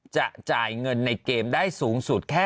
จ่ายเงินในเกมได้สูงสุดแค่